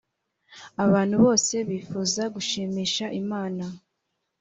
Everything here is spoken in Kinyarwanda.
abantu bose bifuza gushimisha imana